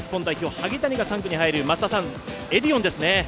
萩谷が３区に入る、エディオンですね。